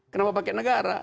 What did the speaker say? kenapa pakai negara